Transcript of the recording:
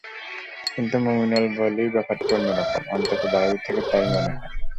কিন্তু মুমিনুল বলেই ব্যাপারটা অন্য রকম, অন্তত বাইরে থেকে তা-ই মনে হয়।